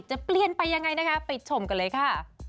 จะเปลี่ยนไปยังไงนะคะไปชมกันเลยค่ะ